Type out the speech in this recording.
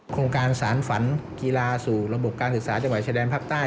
โครงการสารฝันกีฬาสู่ระบบการศึกษาจังหวัดชายแดนภาคใต้